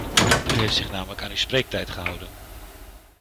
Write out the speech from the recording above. U heeft zich namelijk aan uw spreektijd gehouden.